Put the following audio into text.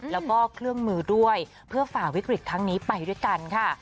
แล้วก็เครื่องมือด้วยเพื่อฝ่าวิกฤตทั้งนี้ไปด้วยกันค่ะ